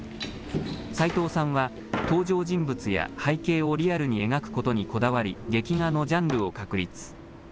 さいとうさんは登場人物や背景をリアルに描くことにこだわり劇画のジャンルを確立。